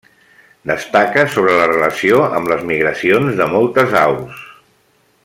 Destaca sobre la relació amb les migracions de moltes aus.